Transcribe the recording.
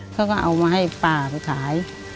เขาก็เอามาให้ป้าไปขาย